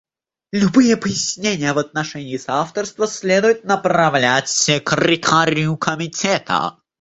Любые пояснения в отношении соавторства следует направлять Секретарю Комитета.